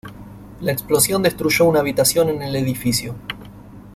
La explosión destruyó una habitación en el edificio.